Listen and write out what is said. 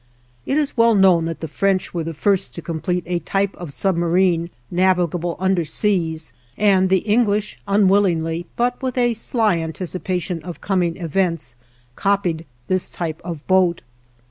It is well known that the French were the first to complete a type of submarine navigable underseas, and the English unwillingly, but with a sly anticipation of coming events, copied this type of boat.